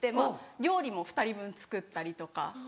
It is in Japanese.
料理も２人分作ったりとか。